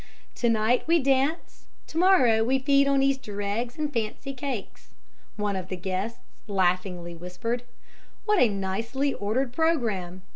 "To night we dance, to morrow we feed on Easter eggs and fancy cakes," one of the guests laughingly whispered. "What a nicely ordered programme!